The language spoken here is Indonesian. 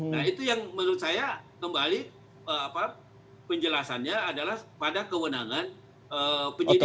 nah itu yang menurut saya kembali penjelasannya adalah pada kewenangan penyidik